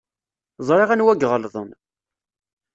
Ẓriɣ anwa iɣelḍen.